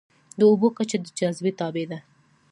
د اوبو کچه د جاذبې تابع ده.